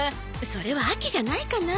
それは秋じゃないかな